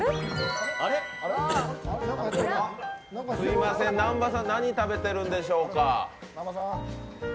すいません、南波さん何食べてるんでしょうか？